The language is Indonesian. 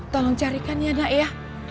tolong carikan ya nak ya